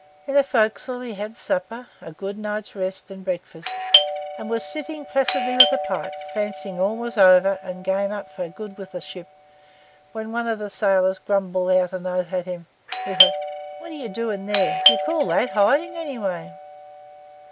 In the forecastle he had supper, a good night's rest, and breakfast; and was sitting placidly with a pipe, fancying all was over and the game up for good with that ship, when one of the sailors grumbled out an oath at him, with a 'What are you doing there?' and 'Do you call that hiding, anyway?